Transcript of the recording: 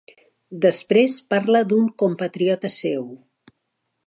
Després parla d'un compatriota seu.